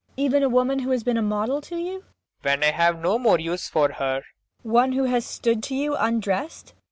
MAIA. Even a woman who has been a model to you? PROFESSOR RUBEK. When I have no more use for her MAIA. One who has stood to you undressed?